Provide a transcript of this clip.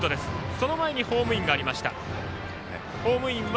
その前にホームインがありました。